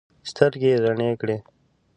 سترګې یې رڼې کړې.